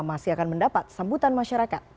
masih akan mendapat sambutan masyarakat